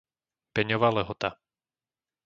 Beňova Lehota